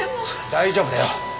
大丈夫だよ。